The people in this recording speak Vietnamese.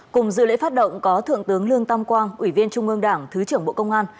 cùng dự lễ phát động có thượng tướng lương tam quang ủy viên trung ương đảng thứ trưởng bộ công an